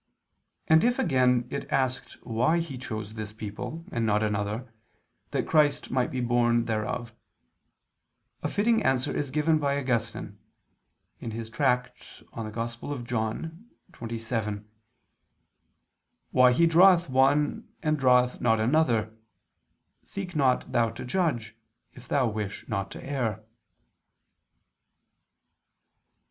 And if again it asked why He chose this people, and not another, that Christ might be born thereof; a fitting answer is given by Augustine (Tract. super Joan. xxvi): "Why He draweth one and draweth not another, seek not thou to judge, if thou wish not to err."